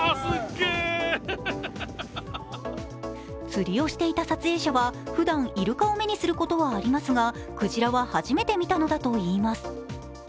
釣りをしていた撮影者はふだんいるかを目にすることはありますがクジラは初めて見たのだと言います。